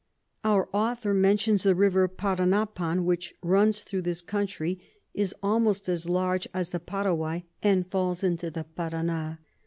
Our Author mentions the River Paranapan, which runs thro this Country, is almost as large as the Paraguay, and falls into the Parana.